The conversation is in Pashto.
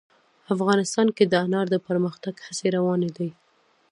افغانستان کې د انار د پرمختګ هڅې روانې دي.